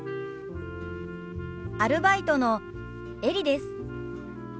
アルバイトのエリです。